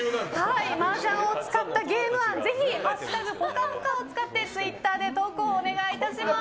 マージャンを使ったゲーム案ぜひ「＃ぽかぽか」を使ってツイッターで投稿お願いいたします。